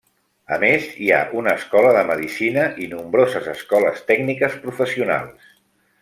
A més, hi ha una escola de medicina i nombroses escoles tècniques professionals.